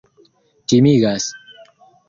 timigas